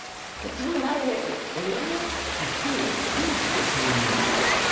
一方浩介さんは。